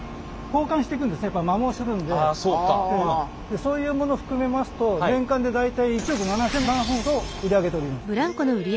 そういうもの含めますと年間で大体１億７，０００万ほど売り上げております。